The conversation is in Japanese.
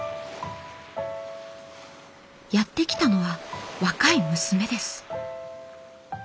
やって来たのは若い娘です。